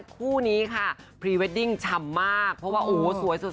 คู่นี้ค่ะพรีเวดดิ้งชำมากเพราะว่าโอ้โหสวยสุด